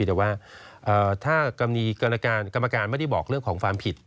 แต่ว่าถ้ากรรมการไม่ได้บอกเรื่องของความผิด